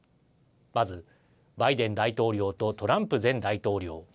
まず、バイデン大統領とトランプ前大統領。